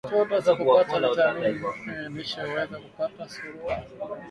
mtoto asipopata vita mini A lishe huweza kupata surua